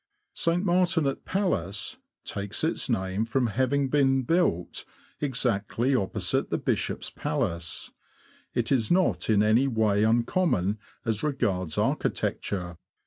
St. Martin at Palace takes its name from having been built exactly opposite the Bishop's Palace. It is not in any way uncommon as regards architecture.